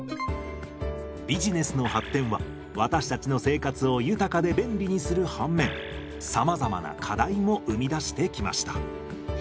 ビジネスの発展は私たちの生活を豊かで便利にする反面さまざまな課題も生み出してきました。